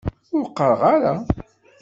Ur qqareɣ ara.